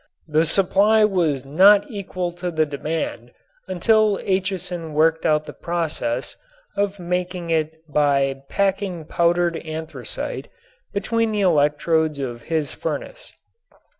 The supply was not equal to the demand until Acheson worked out the process of making it by packing powdered anthracite between the electrodes of his furnace.